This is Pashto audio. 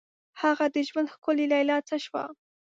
هغه د ژوند ښکلي لیلا څه شوه؟